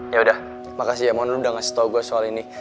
yaudah makasih ya mohon lo udah ngasih tau gue soal ini